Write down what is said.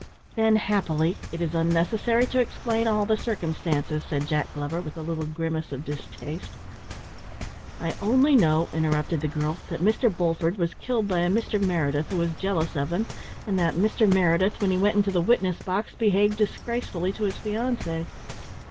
"Then happily it is unnecessary to explain all the circumstances," said Jack Glover, with a little grimace of distaste. "I only know," interrupted the girl, "that Mr. Bulford was killed by a Mr. Meredith, who was jealous of him, and that Mr. Meredith, when he went into the witness box, behaved disgracefully to his fiancée."